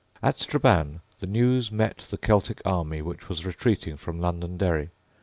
At Strabane the news met the Celtic army which was retreating from Londonderry.